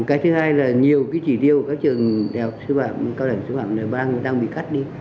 cái thứ hai là nhiều cái chỉ điêu của các trường đại học sư phạm cao đẩy sư phạm này đang bị cắt đi